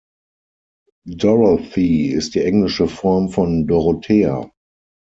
Dorothy ist die englische Form von Dorothea.